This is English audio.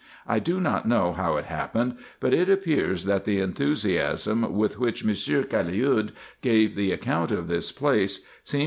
T do not know how it happened, but it appears, that the enthusiasm with which Monsieur Caliud gave the account of this place, seemed IN EGYPT, NUBIA, &c.